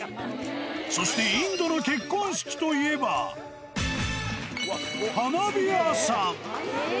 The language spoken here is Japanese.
そしてインドの結婚式といえば、花火屋さん。